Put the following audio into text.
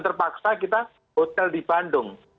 terpaksa kita hotel di bandung